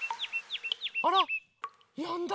あら？やんだ！